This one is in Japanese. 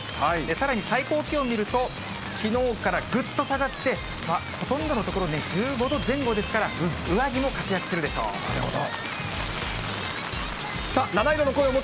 さらに最高気温を見ると、きのうからぐっと下がって、ほとんどの所ね、１５度前後ですから、なるほど。